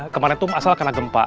kemarin tuh mas al kena gempa